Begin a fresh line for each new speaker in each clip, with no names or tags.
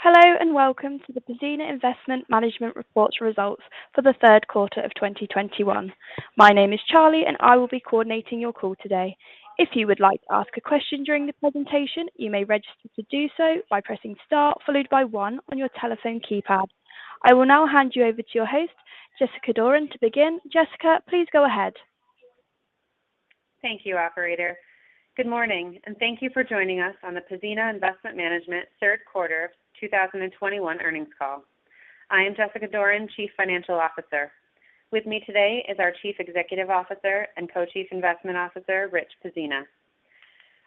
Hello, and welcome to the Pzena Investment Management Reports Results for the Q3 of 2021. My name is Charlie and I will be coordinating your call today. If you would like to ask a question during the presentation, you may register to do so by pressing star, followed by one on your telephone keypad. I will now hand you over to your host, Jessica Doran, to begin. Jessica, please go ahead.
Thank you, operator. Good morning, and thank you for joining us on the Pzena Investment Management Q3 2021 earnings call. I am Jessica Doran, Chief Financial Officer. With me today is our Chief Executive Officer and Co-chief Investment Officer, Richard Pzena.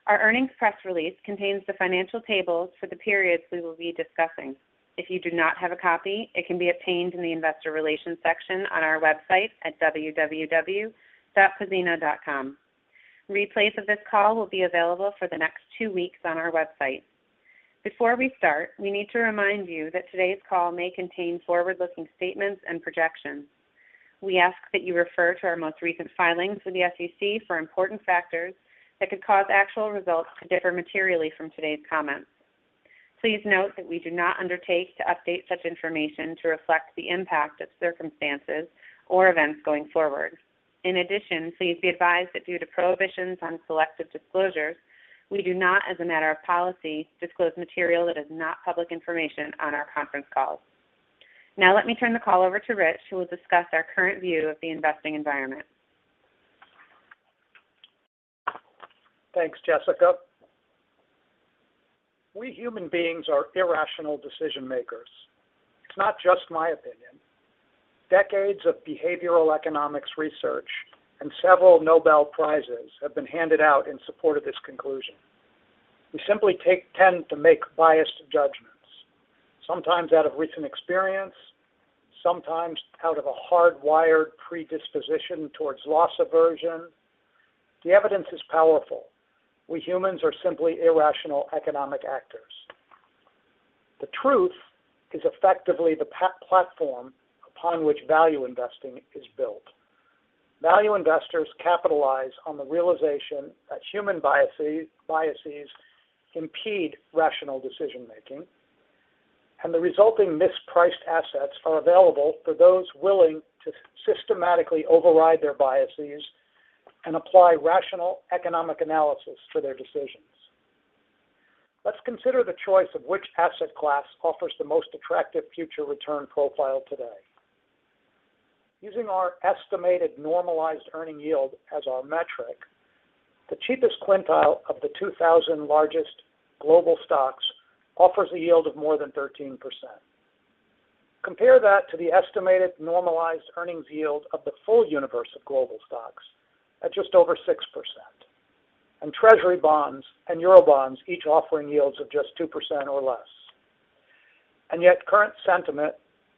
Our earnings press release contains the financial tables for the periods we will be discussing. If you do not have a copy, it can be obtained in the investor relations section on our website at www.pzena.com. Replays of this call will be available for the next two weeks on our website. Before we start, we need to remind you that today's call may contain forward-looking statements and projections. We ask that you refer to our most recent filings with the SEC for important factors that could cause actual results to differ materially from today's comments. Please note that we do not undertake to update such information to reflect the impact of circumstances or events going forward. In addition, please be advised that due to prohibitions on selective disclosures, we do not, as a matter of policy, disclose material that is not public information on our conference calls. Now let me turn the call over to Rich, who will discuss our current view of the investing environment.
Thanks, Jessica. We human beings are irrational decision-makers. It's not just my opinion. Decades of behavioral economics research and several Nobel Prizes have been handed out in support of this conclusion. We simply tend to make biased judgments, sometimes out of recent experience, sometimes out of a hardwired predisposition towards loss aversion. The evidence is powerful. We humans are simply irrational economic actors. The truth is effectively the platform upon which value investing is built. Value investors capitalize on the realization that human biases impede rational decision-making, and the resulting mispriced assets are available for those willing to systematically override their biases and apply rational economic analysis to their decisions. Let's consider the choice of which asset class offers the most attractive future return profile today. Using our estimated normalized earnings yield as our metric, the cheapest quintile of the 2,000 largest global stocks offers a yield of more than 13%. Compare that to the estimated normalized earnings yield of the full universe of global stocks at just over 6%, Treasury bonds and Eurobonds each offering yields of just 2% or less. Yet current sentiment,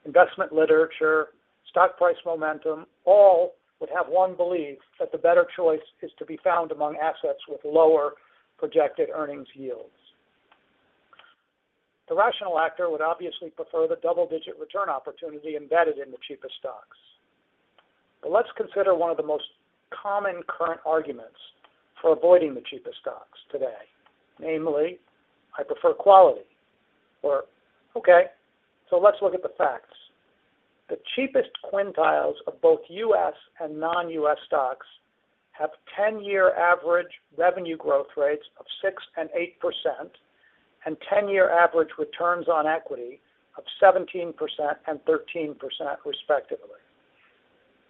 investment literature, stock price momentum, all would have one believe that the better choice is to be found among assets with lower projected earnings yields. The rational actor would obviously prefer the double-digit return opportunity embedded in the cheapest stocks. Let's consider one of the most common current arguments for avoiding the cheapest stocks today. Namely, I prefer quality. Okay, let's look at the facts. The cheapest quintiles of both U.S. and non-U. S stocks have 10-year average revenue growth rates of 6% and 8%, and 10-year average returns on equity of 17% and 13%, respectively.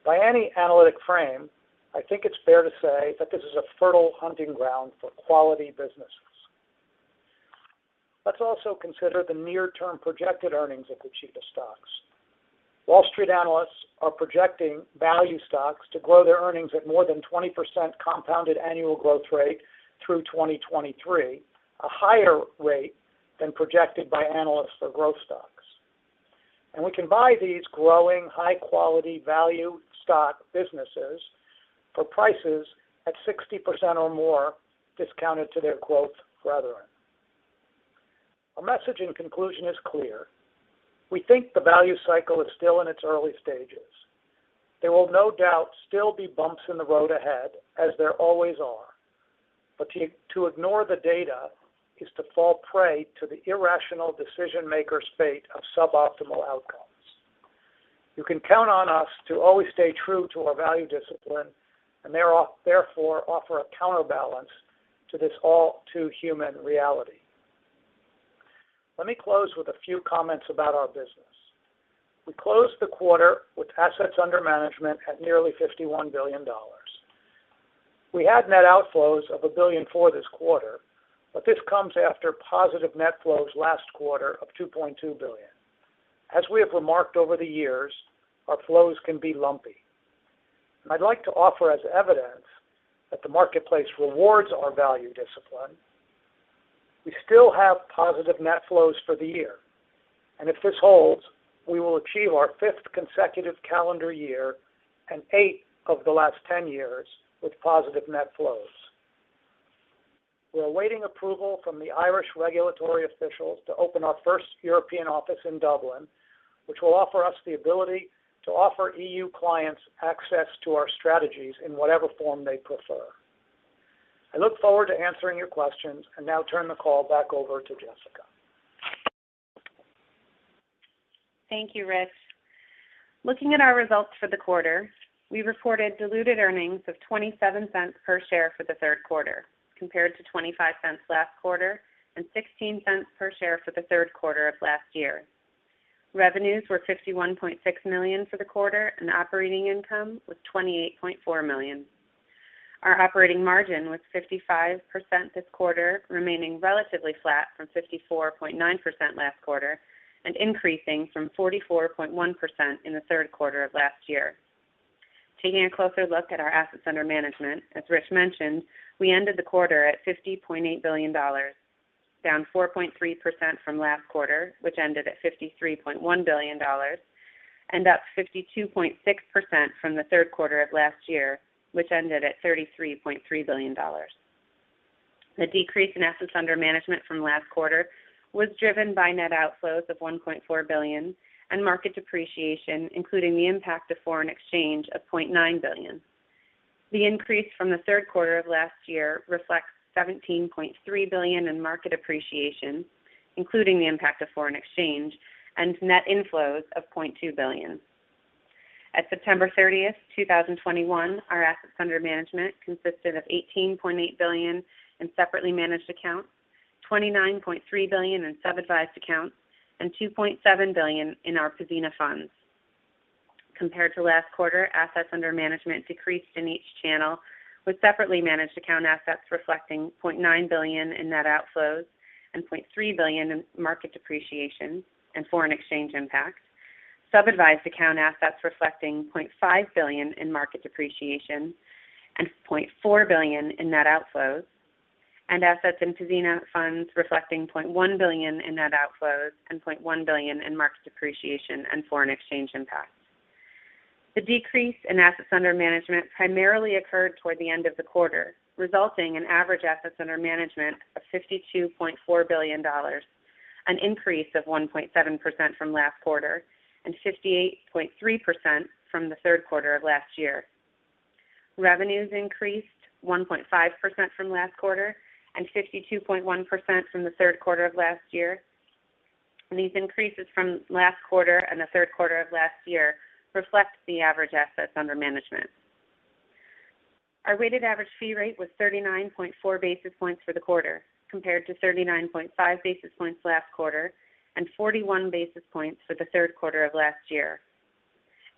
By any analytic frame, I think it's fair to say that this is a fertile hunting ground for quality businesses. Let's also consider the near-term projected earnings of the cheapest stocks. Wall Street analysts are projecting value stocks to grow their earnings at more than 20% compounded annual growth rate through 2023, a higher rate than projected by analysts for growth stocks. We can buy these growing high-quality value stock businesses for prices at 60% or more discounted to their growth brethren. Our message in conclusion is clear. We think the value cycle is still in its early stages. There will no doubt still be bumps in the road ahead, as there always are. To ignore the data is to fall prey to the irrational decision-maker's fate of suboptimal outcomes. You can count on us to always stay true to our value discipline, and therefore offer a counterbalance to this all-too-human reality. Let me close with a few comments about our business. We closed the quarter with assets under management at nearly $51 billion. We had net outflows of $1 billion for this quarter, but this comes after positive net flows last quarter of $2.2 billion. As we have remarked over the years, our flows can be lumpy. I'd like to offer as evidence that the marketplace rewards our value discipline. We still have positive net flows for the year. If this holds, we will achieve our 5th consecutive calendar year, and 8th of the last 10 years, with positive net flows. We're awaiting approval from the Irish regulatory officials to open our first European office in Dublin, which will offer us the ability to offer EU clients access to our strategies in whatever form they prefer. I look forward to answering your questions and now turn the call back over to Jessica.
Thank you, Rich. Looking at our results for the quarter, we reported diluted earnings of $0.27 per share for the Q3, compared to $0.25 last quarter and $0.16 per share for the Q3 of last year. Revenues were $51.6 million for the quarter, and operating income was $28.4 million. Our operating margin was 55% this quarter, remaining relatively flat from 54.9% last quarter, and increasing from 44.1% in the Q3 of last year. Taking a closer look at our assets under management, as Rich mentioned, we ended the quarter at $50.8 billion, down 4.3% from last quarter, which ended at $53.1 billion, and up 52.6% from the Q3 of last year, which ended at $33.3 billion. The decrease in assets under management from last quarter was driven by net outflows of $1.4 billion and market depreciation, including the impact of foreign exchange of $0.9 billion. The increase from the Q3 of last year reflects $17.3 billion in market appreciation, including the impact of foreign exchange and net inflows of $0.2 billion. At September 30th, 2021, our assets under management consisted of $18.8 billion in separately managed accounts, $29.3 billion in sub-advised accounts, and $2.7 billion in our Pzena Funds. Compared to last quarter, assets under management decreased in each channel with separately managed account assets reflecting $0.9 billion in net outflows and $0.3 billion in market depreciation and foreign exchange impacts. Sub-advised account assets reflecting $0.5 billion in market depreciation and $0.4 billion in net outflows, and assets in Pzena Funds reflecting $0.1 billion in net outflows and $0.1 billion in market depreciation and foreign exchange impacts. The decrease in assets under management primarily occurred toward the end of the quarter, resulting in average assets under management of $52.4 billion, an increase of 1.7% from last quarter and 58.3% from the Q3 of last year. Revenues increased 1.5% from last quarter and 52.1% from the Q3 of last year. These increases from last quarter and the Q3 of last year reflect the average assets under management. Our weighted average fee rate was 39.4 basis points for the quarter, compared to 39.5-basis points last quarter and 41-basis points for the Q3 of last year.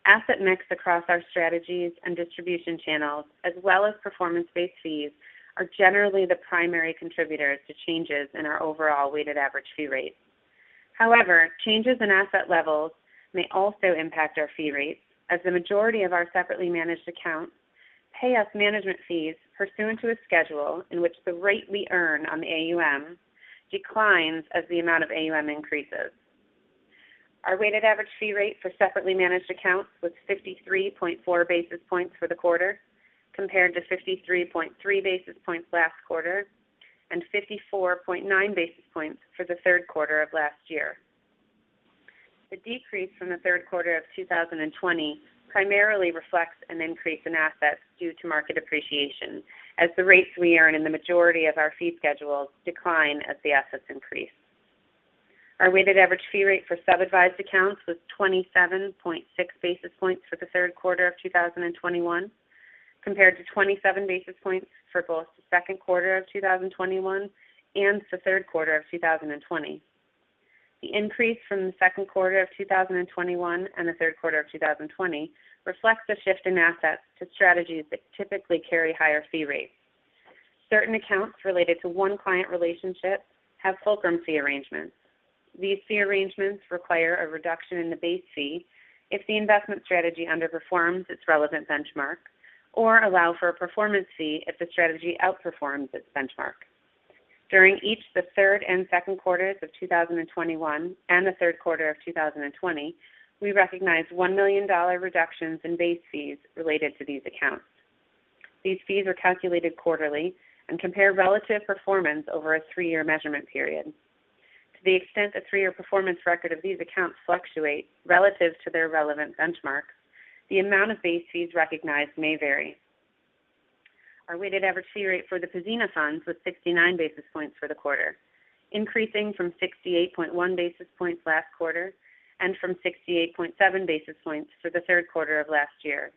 Asset mix across our strategies and distribution channels, as well as performance-based fees, are generally the primary contributors to changes in our overall weighted average fee rate. Changes in asset levels may also impact our fee rates as the majority of our separately managed accounts pay us management fees pursuant to a schedule in which the rate we earn on the AUM declines as the amount of AUM increases. Our weighted average fee rate for separately managed accounts was 53.4-basis points for the quarter, compared to 53.3-basis points last quarter and 54.9-basis points for the Q3 of last year. The decrease from the Q3 of 2020 primarily reflects an increase in assets due to market appreciation as the rates we earn in the majority of our fee schedules decline as the assets increase. Our weighted average fee rate for sub-advised accounts was 27.6-basis points for the Q3 of 2021, compared to 27-basis points for both the Q2 of 2021 and the Q3 of 2020. The increase from the Q2 of 2021 and the Q3 of 2020 reflects the shift in assets to strategies that typically carry higher fee rates. Certain accounts related to one client relationship have fulcrum fee arrangements. These fee arrangements require a reduction in the base fee if the investment strategy underperforms its relevant benchmark or allow for a performance fee if the strategy outperforms its benchmark. During each the Q3 and Q2 of 2021 and the Q3 of 2020, we recognized $1 million reductions in base fees related to these accounts. These fees are calculated quarterly and compare relative performance over a three-year measurement period. To the extent the three-year performance record of these accounts fluctuates relative to their relevant benchmarks, the amount of base fees recognized may vary. Our weighted average fee rate for the Pzena Funds was 69-basis points for the quarter, increasing from 68.1-basis points last quarter and from 68.7-basis points for the Q3 of last year.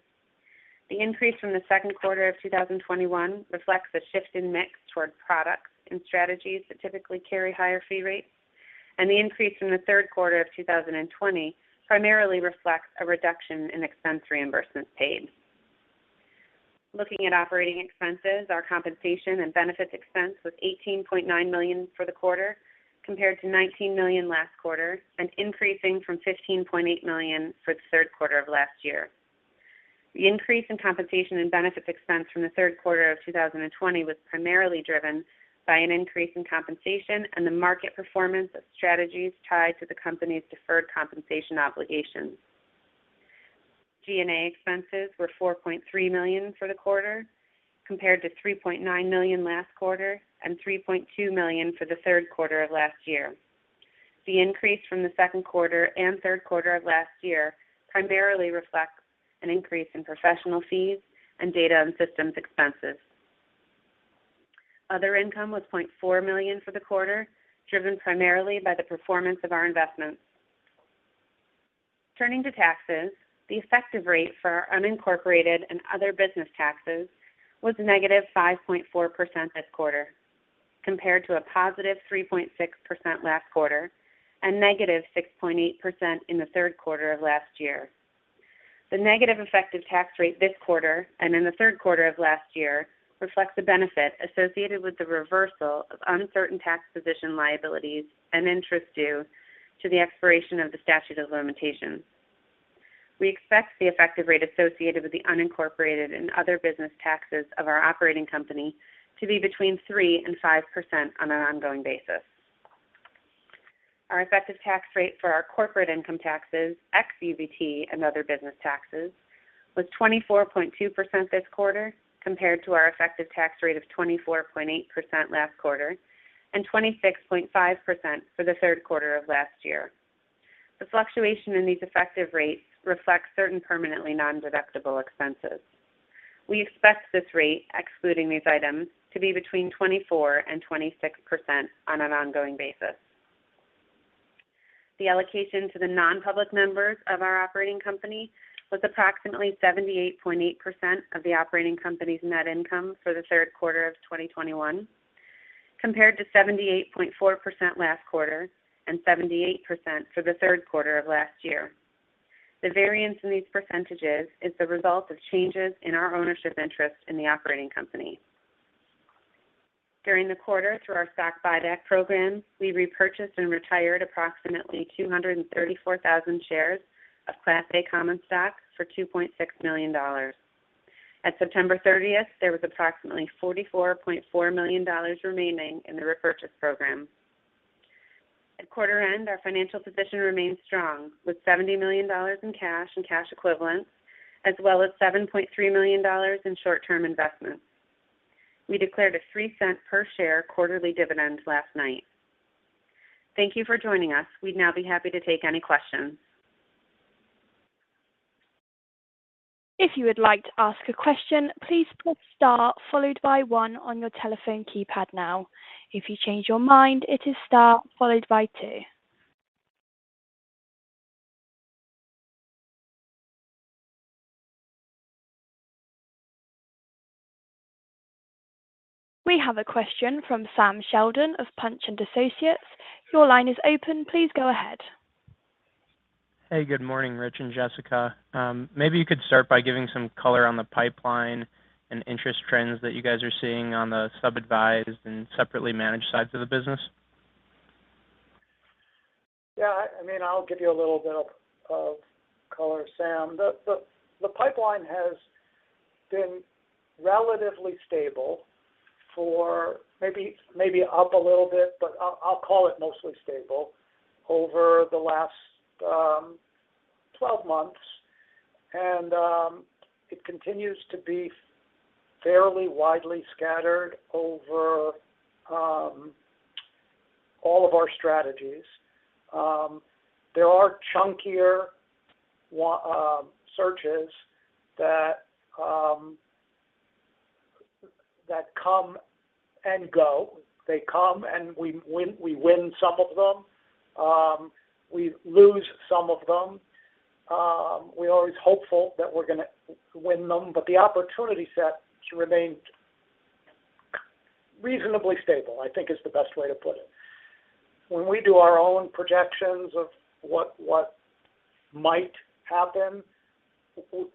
The increase from the Q2 of 2021 reflects a shift in mix toward products and strategies that typically carry higher fee rates, and the increase from the Q3 of 2020 primarily reflects a reduction in expense reimbursements paid. Looking at operating expenses, our compensation and benefits expense was $18.9 million for the quarter, compared to $19 million last quarter, and increasing from $15.8 million for the Q3 of last year. The increase in compensation and benefits expense from the Q3 of 2020 was primarily driven by an increase in compensation and the market performance of strategies tied to the company's deferred compensation obligations. G&A expenses were $4.3 million for the quarter, compared to $3.9 million last quarter and $3.2 million for the Q3 of last year. The increase from the Q2 and Q3 of last year primarily reflects an increase in professional fees and data and systems expenses. Other income was $0.4 million for the quarter, driven primarily by the performance of our investments. Turning to taxes, the effective rate for our unincorporated and other business taxes was -5.4% this quarter, compared to a +3.6% last quarter, and -6.8% in the Q3 of last year. The negative effective tax rate this quarter, and in the Q3 of last year, reflects the benefit associated with the reversal of uncertain tax position liabilities and interest due to the expiration of the statute of limitations. We expect the effective rate associated with the unincorporated and other business taxes of our operating company to be between 3% and 5% on an ongoing basis. Our effective tax rate for our corporate income taxes, ex UBT and other business taxes, was 24.2% this quarter, compared to our effective tax rate of 24.8% last quarter, and 26.5% for the Q3 of last year. The fluctuation in these effective rates reflects certain permanently non-deductible expenses. We expect this rate, excluding these items, to be between 24% and 26% on an ongoing basis. The allocation to the non-public members of our operating company was approximately 78.8% of the operating company's net income for the Q3 of 2021, compared to 78.4% last quarter, and 78% for the Q3 of last year. The variance in these percentages is the result of changes in our ownership interest in the operating company. During the quarter, through our stock buyback program, we repurchased and retired approximately 234,000 shares of Class A common stock for $2.6 million. At September 30th, there was approximately $44.4 million remaining in the repurchase program. At quarter end, our financial position remains strong, with $70 million in cash and cash equivalents, as well as $7.3 million in short-term investments. We declared a $0.03 per share quarterly dividend last night. Thank you for joining us. We'd now be happy to take any questions.
If you would like to ask a question, please press star followed by one on your telephone keypad now. If you change your mind, it is star followed by two. We have a question from Sam Sheldon of Punch & Associates. Your line is open. Please go ahead.
Hey, good morning, Rich and Jessica. Maybe you could start by giving some color on the pipeline and interest trends that you guys are seeing on the sub-advised and separately managed sides of the business?
Yeah, I'll give you a little bit of color, Sam. The pipeline has been relatively stable for, maybe up a little bit, but I'll call it mostly stable over the last 12 months. It continues to be fairly widely scattered over all of our strategies. There are chunkier searches that come and go. They come, and we win some of them. We lose some of them. We're always hopeful that we're going to win them. The opportunity set remains reasonably stable, I think is the best way to put it. When we do our own projections of what might happen,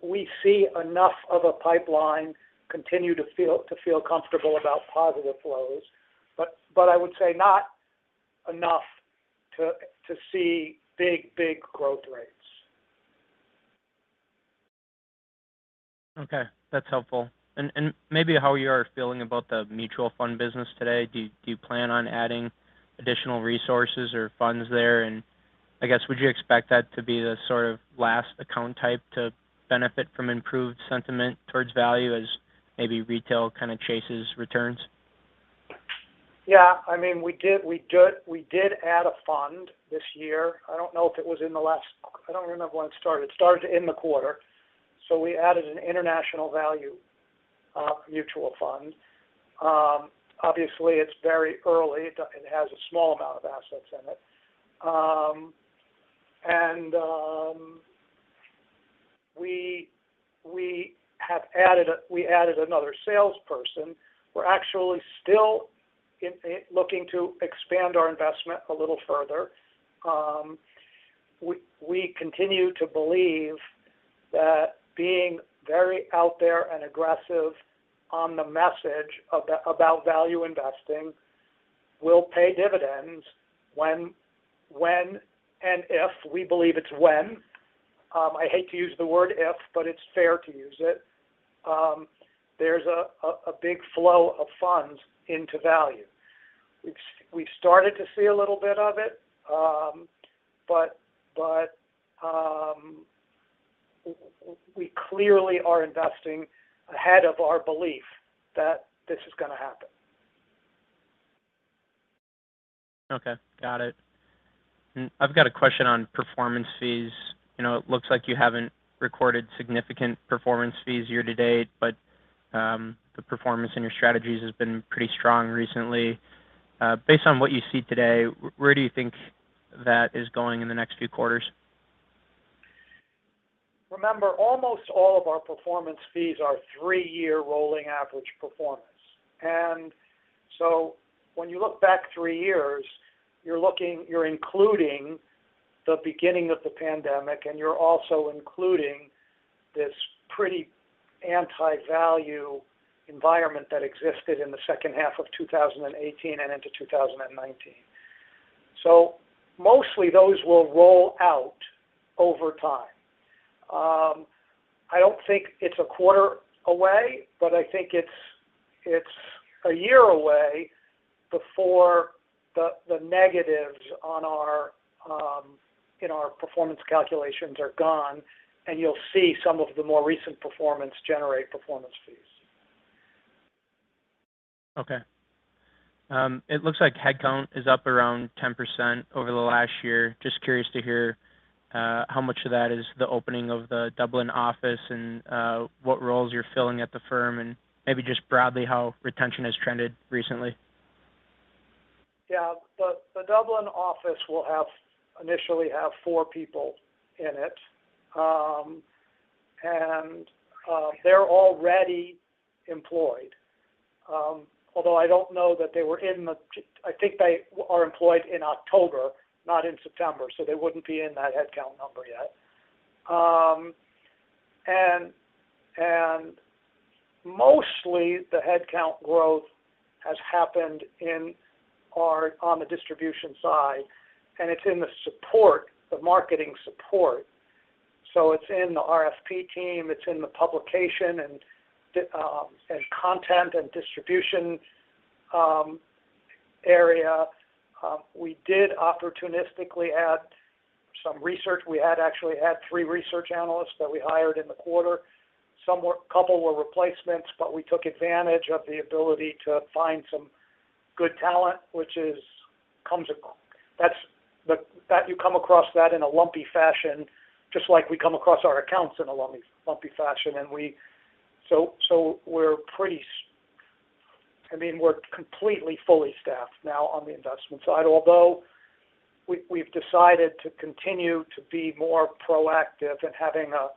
we see enough of a pipeline continue to feel comfortable about positive flows. I would say not enough to see big growth rates.
Okay. That's helpful. Maybe how you are feeling about the mutual fund business today. Do you plan on adding additional resources or funds there? I guess, would you expect that to be the sort of last account type to benefit from improved sentiment towards value as maybe retail kind of chases returns?
Yeah, we did add a fund this year. I don't know if it was in the last I don't remember when it started. It started in the quarter. We added a Pzena International Value Fund. Obviously, it's very early. It has a small amount of assets in it. We added another salesperson. We're actually still looking to expand our investment a little further. We continue to believe that being very out there and aggressive on the message about value investing will pay dividends when and if, we believe it's when, I hate to use the word if, but it's fair to use it, there's a big flow of funds into value. We've started to see a little bit of it. We clearly are investing ahead of our belief that this is going to happen.
Okay. Got it. I've got a question on performance fees. It looks like you haven't recorded significant performance fees year to date, but the performance in your strategies has been pretty strong recently. Based on what you see today, where do you think that is going in the next few quarters?
Remember, almost all of our performance fees are three-year rolling average performance. When you look back three years, you're including the beginning of the pandemic, and you're also including this pretty anti-value environment that existed in the H2 of 2018 and into 2019. Mostly, those will roll out over time. I don't think it's a quarter away, but I think it's a 1 year away before the negatives in our performance calculations are gone, and you'll see some of the more recent performance generate performance fees.
Okay. It looks like headcount is up around 10% over the last year. Just curious to hear how much of that is the opening of the Dublin office, and what roles you're filling at the firm, and maybe just broadly, how retention has trended recently.
The Dublin office will initially have four people in it. They're already employed. Although I don't know that they were in. I think they are employed in October, not in September, so they wouldn't be in that headcount number yet. Mostly, the headcount growth has happened on the distribution side, and it's in the support, the marketing support. It's in the RFP team, it's in the publication, and content, and distribution area. We did opportunistically add some research. We had actually had three research analysts that we hired in the quarter. Couple were replacements, but we took advantage of the ability to find some good talent, which you come across that in a lumpy fashion, just like we come across our accounts in a lumpy fashion. We're completely, fully staffed now on the investment side, although we've decided to continue to be more proactive in having a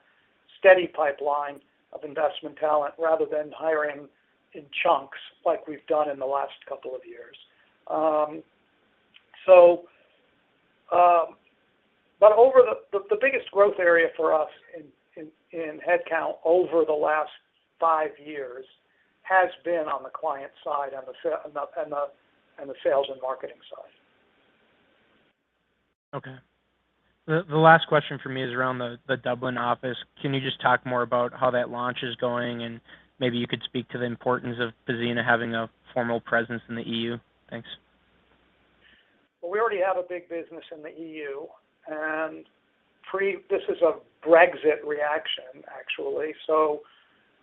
steady pipeline of investment talent rather than hiring in chunks like we've done in the last couple of years. The biggest growth area for us in headcount over the last five years has been on the client side, on the sales and marketing side.
Okay. The last question from me is around the Dublin office. Can you just talk more about how that launch is going? Maybe you could speak to the importance of Pzena having a formal presence in the EU. Thanks.
Well, we already have a big business in the EU, and this is a Brexit reaction, actually.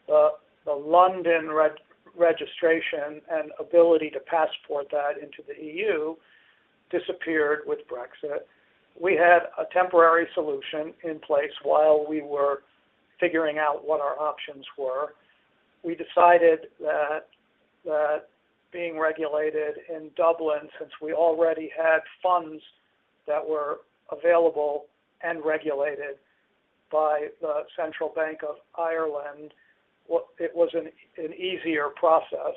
The London registration and ability to passport that into the EU disappeared with Brexit. We had a temporary solution in place while we were figuring out what our options were. We decided that being regulated in Dublin, since we already had funds that were available and regulated by the Central Bank of Ireland, it was an easier process,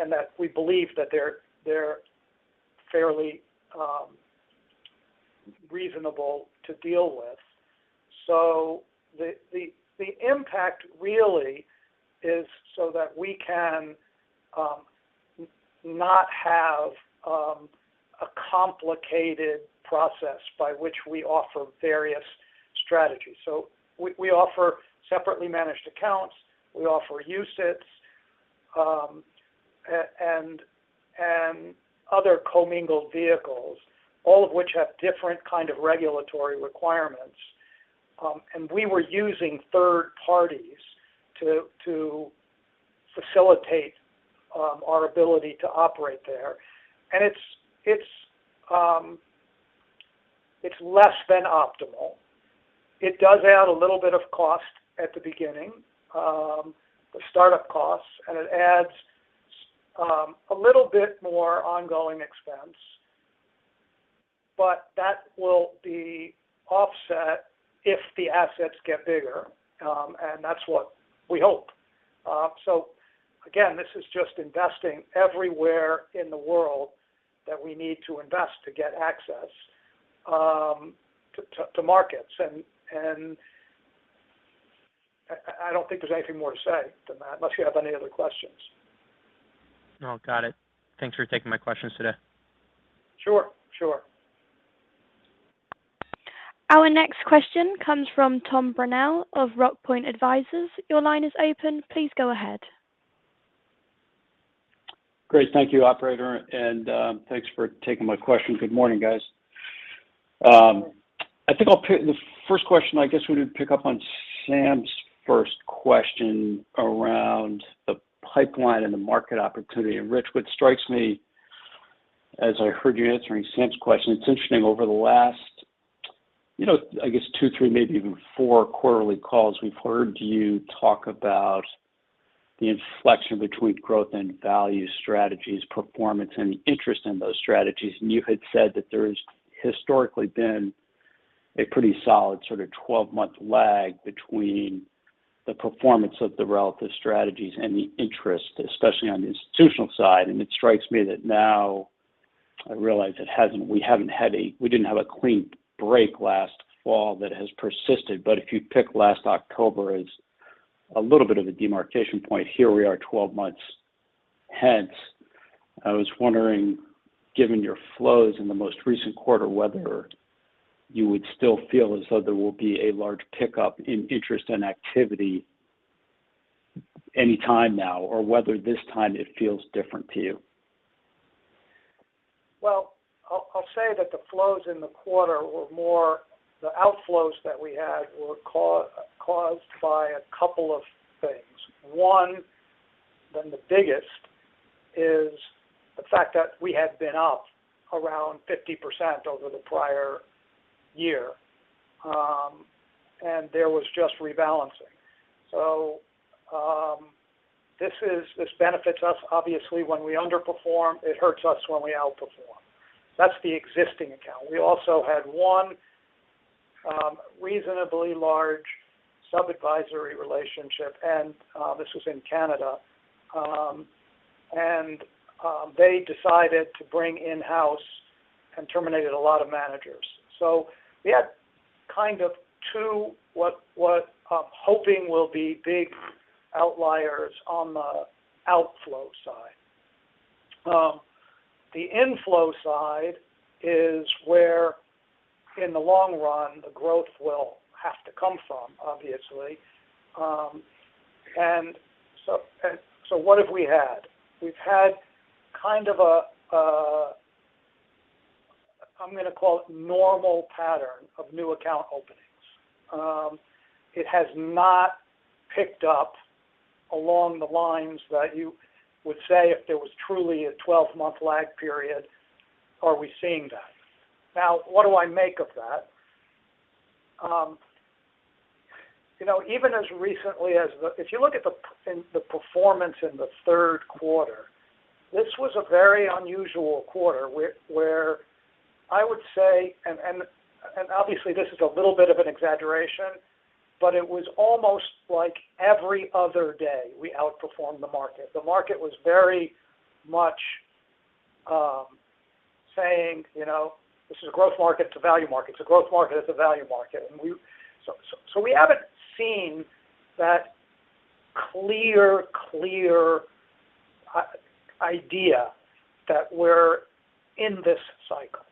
and that we believe that they're fairly reasonable to deal with. The impact really is so that we cannot have a complicated process by which we offer various strategies. We offer separately managed accounts, we offer UCITS, and other commingled vehicles, all of which have different kind of regulatory requirements. We were using third parties to facilitate our ability to operate there. It's less than optimal. It does add a little bit of cost at the beginning, the startup costs, and it adds a little bit more ongoing expense. That will be offset if the assets get bigger, and that's what we hope. Again, this is just investing everywhere in the world that we need to invest to get access to markets. I don't think there's anything more to say than that, unless you have any other questions.
No. Got it. Thanks for taking my questions today.
Sure.
Our next question comes from Tom Brunelle of Rock Point Advisors. Your line is open. Please go ahead.
Great. Thank you, operator, and thanks for taking my question. Good morning, guys. I think the first question, I guess, we would pick up on Sam's first question around the pipeline and the market opportunity. Rich, what strikes me as I heard you answering Sam's question, it's interesting over the last, I guess two, three, maybe even four quarterly calls, we've heard you talk about the inflection between growth and value strategies, performance, and interest in those strategies. You had said that there's historically been a pretty solid sort of 12-month lag between the performance of the relative strategies and the interest, especially on the institutional side. It strikes me that now, I realize we didn't have a clean break last fall that has persisted, but if you pick last October as a little bit of a demarcation point, here we are 12 months hence. I was wondering, given your flows in the most recent quarter, whether you would still feel as though there will be a large pickup in interest and activity any time now, or whether this time it feels different to you.
Well, I'll say that the outflows that we had were caused by a couple of things. one, and the biggest, is the fact that we had been up around 50% over the prior year, and there was just rebalancing. This benefits us, obviously, when we underperform. It hurts us when we outperform. That's the existing account. We also had one reasonably large sub-advisory relationship, and this was in Canada, and they decided to bring in-house and terminated a lot of managers. We had kind of two, what I'm hoping will be big outliers on the outflow side. The inflow side is where, in the long run, the growth will have to come from, obviously. What have we had? We've had kind of a; I'm going to call it normal pattern of new account openings. It has not picked up along the lines that you would say if there was truly a 12-month lag period, are we seeing that? What do I make of that? If you look at the performance in the Q3, this was a very unusual quarter where I would say, and obviously this is a little bit of an exaggeration, but it was almost like every other day we outperformed the market. The market was very much saying, this is a growth market, it's a value market. It's a growth market; it's a value market. We haven't seen that clear idea that we're in this cycle.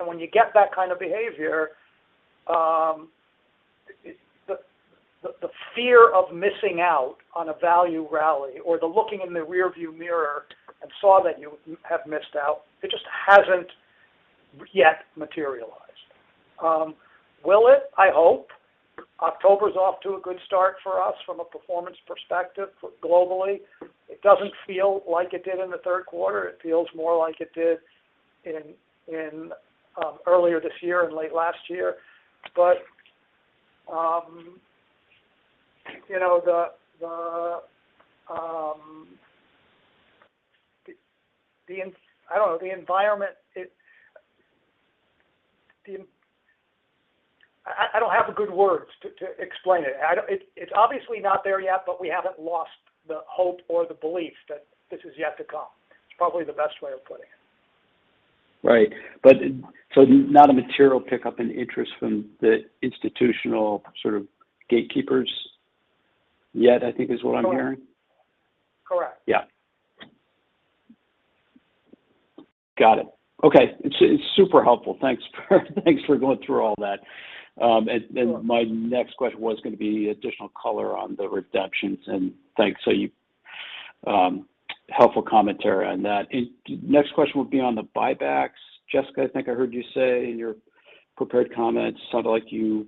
When you get that kind of behavior, the fear of missing out on a value rally or the looking in the rearview mirror and saw that you have missed out, it just hasn't yet materialized. Will it? I hope. October's off to a good start for us from a performance perspective globally. It doesn't feel like it did in the Q3. It feels more like it did earlier this year and late last year. I don't know. I don't have good words to explain it. It's obviously not there yet, but we haven't lost the hope or the belief that this is yet to come. It's probably the best way of putting it.
Right. Not a material pickup in interest from the institutional sort of gatekeepers yet, I think is what I'm hearing.
Correct.
Yeah. Got it. Okay. It's super helpful. Thanks for going through all that.
Sure.
My next question was going to be additional color on the redemptions, thanks. Helpful commentary on that. Next question would be on the buybacks. Jessica, I think I heard you say in your prepared comments, sounded like you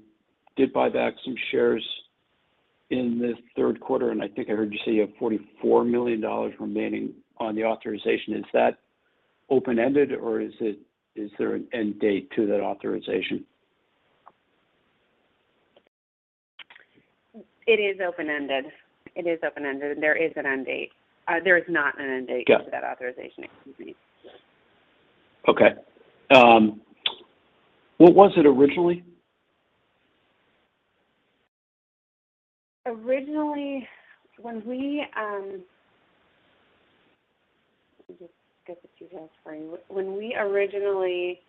did buy back some shares in the Q3. I think I heard you say you have $44 million remaining on the authorization. Is that open-ended, or is there an end date to that authorization?
It is open-ended. There is an end date. There is not an end date to that authorization. Excuse me.
Okay. What was it originally?
Originally, let me just get the details for you. When we originally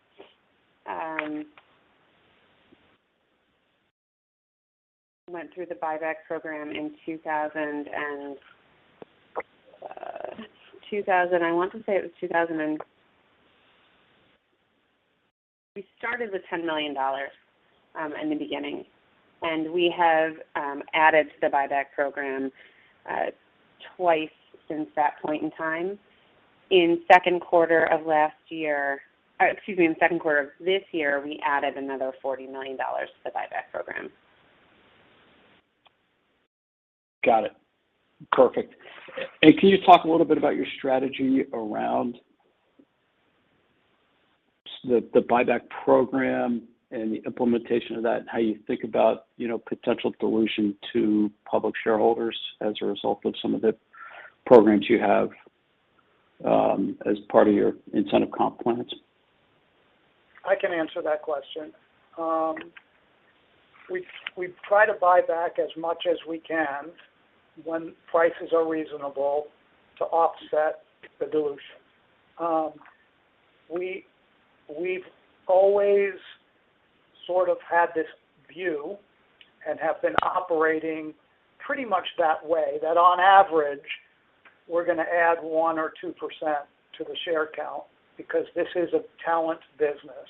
went through the buyback program in 2000, I want to say it was 2003. We started with $10 million in the beginning. We have added to the buyback program twice since that point in time. In Q2 of this year, we added another $40 million to the buyback program.
Got it. Perfect. Can you talk a little bit about your strategy around the buyback program and the implementation of that, and how you think about potential dilution to public shareholders as a result of some of the programs you have as part of your incentive comp plans?
I can answer that question. We try to buy back as much as we can when prices are reasonable to offset the dilution. We've always sort of had this view and have been operating pretty much that way, that on average, we're going to add 1% or 2% to the share count because this is a talent business,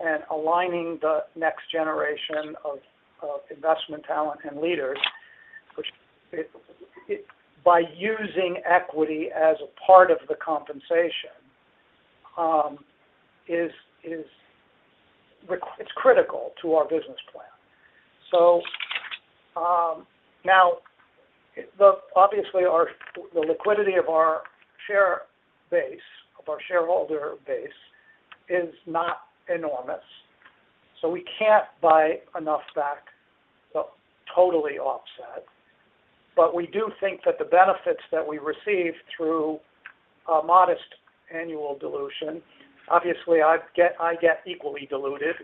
and aligning the next generation of investment talent and leaders by using equity as a part of the compensation is critical to our business plan. Now, obviously the liquidity of our shareholder base is not enormous, so we can't buy enough back to totally offset. We do think that the benefits that we receive through a modest annual dilution, obviously I get equally diluted.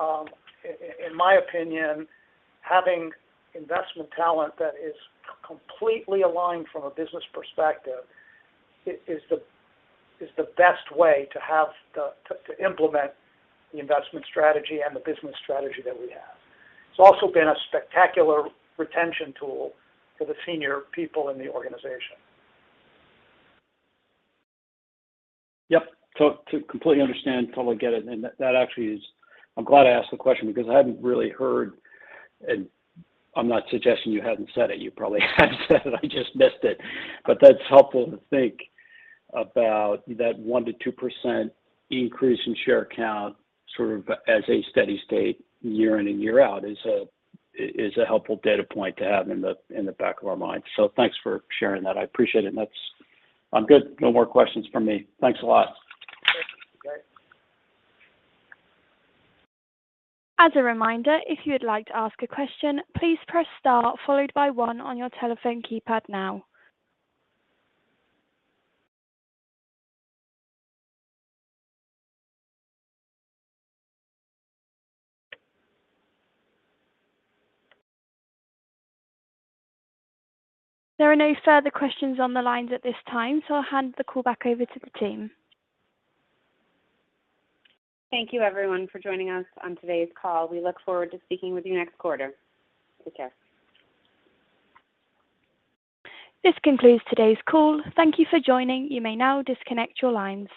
In my opinion, having investment talent that is completely aligned from a business perspective is the best way to implement the investment strategy and the business strategy that we have. It's also been a spectacular retention tool for the senior people in the organization.
Yep. Completely understand, totally get it. I'm glad I asked the question because I hadn't really heard, and I'm not suggesting you hadn't said it. You probably have said it, I just missed it. That's helpful to think about that 1%-2% increase in share count sort of as a steady state year in and year out is a helpful data point to have in the back of our minds. Thanks for sharing that. I appreciate it. I'm good. No more questions from me. Thanks a lot.
Okay. Great.
As a reminder, if you would like to ask a question, please press star followed by one on your telephone keypad now. There are no further questions on the lines at this time, so I'll hand the call back over to the team.
Thank you everyone for joining us on today's call. We look forward to speaking with you next quarter. Take care.
This concludes today's call. Thank you for joining. You may now disconnect your lines.